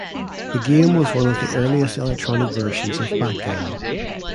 The game was one of the earliest electronic versions of Backgammon.